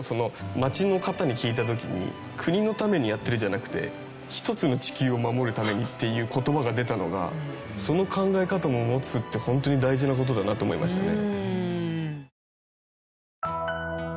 街の方に聞いた時に国のためにやってるじゃなくて「１つの地球を守るために」っていう言葉が出たのがその考え方も持つってホントに大事な事だなと思いましたね。